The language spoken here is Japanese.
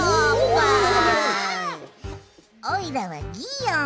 おいらはギーオン！